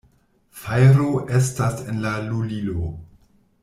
Fajro estas en la lulilo!